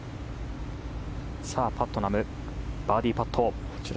パットナム、バーディーパット。